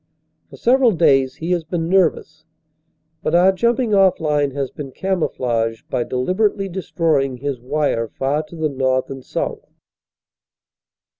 For several days he has been nervous. But our jumping off line has been camouflaged by deliberately destroying his wire far to the north and south.